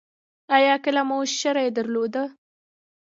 ایا کله مو شری درلوده؟